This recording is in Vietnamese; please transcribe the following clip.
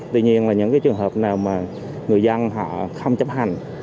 tuy nhiên là những cái trường hợp nào mà người dân họ không chấp hành